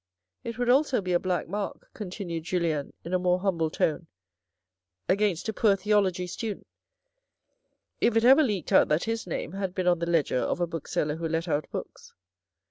" It would also be a black mark," continued Julien in a more humble tone, " against a poor theology student if it ever leaked out that his name had been on the ledger of a book seller who let out books.